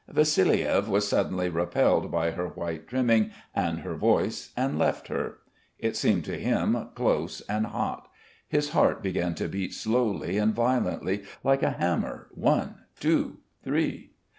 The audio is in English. Vassiliev was suddenly repelled by her white trimming and her voice and left her. It seemed to him close and hot. His heart began to beat slowly and violently, like a hammer, one, two, three.